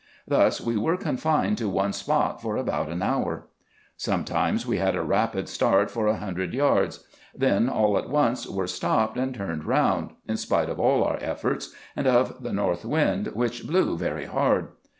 Thus we were confined to one spot for about an hour. Sometimes we had a rapid start for a hundred yards ; then all at once were stopped, and turned round, in spite of all our efforts, and of the north wind, which blew very hard.